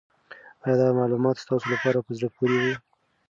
آیا دا معلومات ستاسو لپاره په زړه پورې وو؟